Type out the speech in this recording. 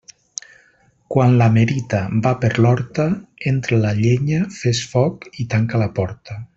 Quan la merita va per l'horta, entra la llenya, fes foc i tanca la porta.